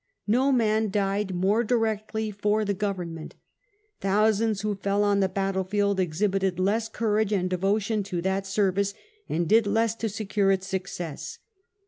ISTo man died more directly for the Government. Thousands who fell on the battle field, exhibited less courage and devotion to that service, and did less to to secure its success.